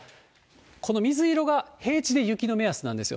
この水色が平地で雪の目安なんですよ。